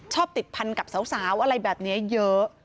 ติดพันกับสาวอะไรแบบนี้เยอะ